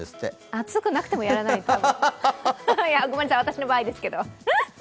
暑くなくてもやらないと思うごめんなさい、私の場合ですけど。